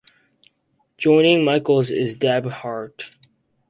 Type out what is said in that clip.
Joining Michaels is Deb Hart.